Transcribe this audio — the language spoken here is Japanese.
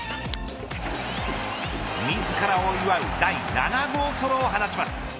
自らを祝う第７号ソロを放ちます。